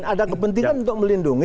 ada kepentingan untuk melindungi